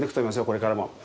これからも。